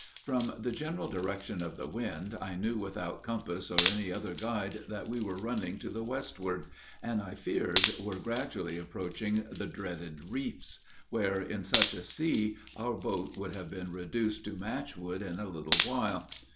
] From the general direction of the wind I knew without compass or any other guide that we were running to the westward, and, I feared, were gradually approaching the dreaded reefs, where in such a sea our boat would have been reduced to match wood in a little while.